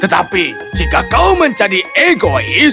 tetapi jika kau menjadi egois sayapnya akan hilang